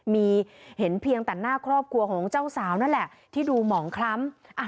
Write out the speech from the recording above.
มีเห็นเพียงแต่หน้าครอบครัวของเจ้าสาวนั่นแหละที่ดูหมองคล้ำ